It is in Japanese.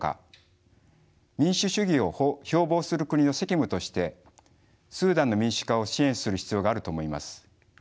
民主主義を標榜する国の責務としてスーダンの民主化を支援する必要があると思います。